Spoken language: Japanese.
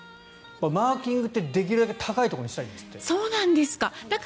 マーキングってできるだけ高いところにそうなんですか。